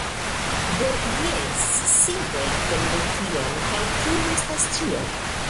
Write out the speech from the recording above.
Do, jes... simple atendu tion kaj tio estas ĉio